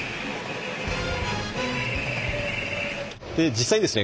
実際にですね